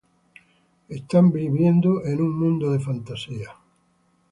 Están viviendo en un mundo de fantasía.